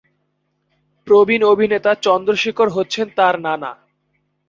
প্রবীণ অভিনেতা চন্দ্রশেখর হচ্ছেন তার নানা।